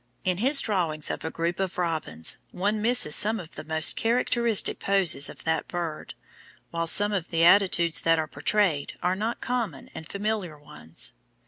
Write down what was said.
In his drawings of a group of robins, one misses some of the most characteristic poses of that bird, while some of the attitudes that are portrayed are not common and familiar ones.